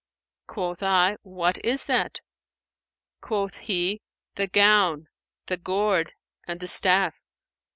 Quoth I, 'What is that?' Quoth he, 'The gown, the gourd and the staff.'